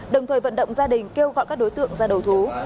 đồng thời vận động gia đình kêu gọi các đối tượng ra đầu thú